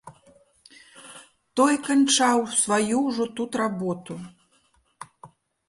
Той канчаў сваю ўжо тут работу.